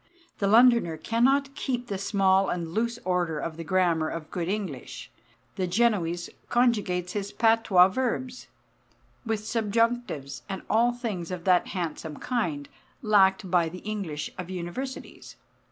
The Londoner cannot keep the small and loose order of the grammar of good English; the Genoese conjugates his patois verbs, with subjunctives and all things of that handsome kind, lacked by the English of Universities.